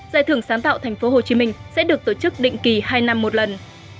giải thưởng sáng tạo tp hcm sẽ được tổ chức định kỳ hai năm một lần